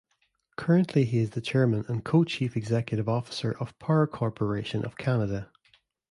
Currently he is the Chairman and Co-Chief Executive Officer of Power Corporation of Canada.